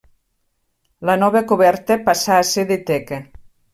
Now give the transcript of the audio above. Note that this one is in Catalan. La nova coberta passà a ser de teca.